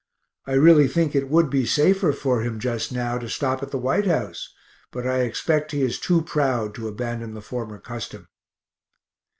I really think it would be safer for him just now to stop at the White House, but I expect he is too proud to abandon the former custom.